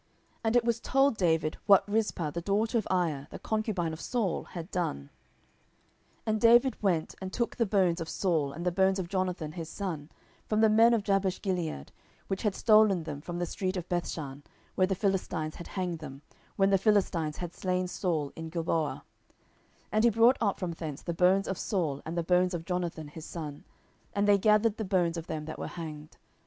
10:021:011 And it was told David what Rizpah the daughter of Aiah, the concubine of Saul, had done. 10:021:012 And David went and took the bones of Saul and the bones of Jonathan his son from the men of Jabeshgilead, which had stolen them from the street of Bethshan, where the Philistines had hanged them, when the Philistines had slain Saul in Gilboa: 10:021:013 And he brought up from thence the bones of Saul and the bones of Jonathan his son; and they gathered the bones of them that were hanged.